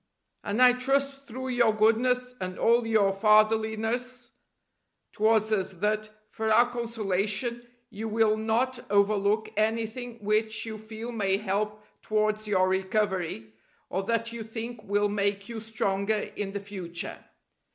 And I trust through your goodness and all your fatherliness towards us that, for our consolation, you will not overlook anything which you feel may help towards your recovery, or that you think will make you stronger in the future.